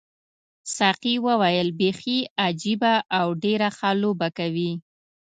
ساقي وویل بیخي عجیبه او ډېره ښه لوبه کوي.